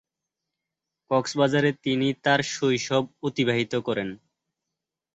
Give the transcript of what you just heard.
কক্সবাজারে তিনি তার শৈশব অতিবাহিত করেন।